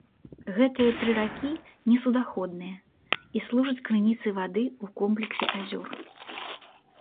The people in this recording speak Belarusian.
Гэтыя тры ракі не суднаходныя і служаць крыніцай вады ў комплексе азёр.